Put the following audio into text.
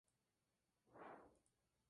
Alguna de ellas todavía existe.